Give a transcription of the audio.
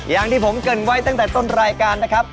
อย่างที่ผมเกิดไว้ตั้งแต่ต้นรายการนะครับ